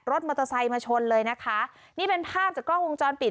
รถมอเตอร์ไซค์มาชนเลยนะคะนี่เป็นภาพจากกล้องวงจรปิด